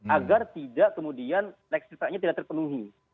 agar tidak kemudian leks triknya tidak terpenuhi